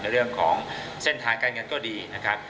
เรื่องของเส้นทางการเงินก็ดีนะครับ